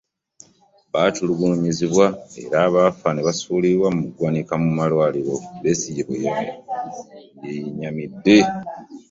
"Batulugunyizibwa era abafa ne babasuula mu ggwanika mu malwaliro.” Besigye bwe yennyamidde.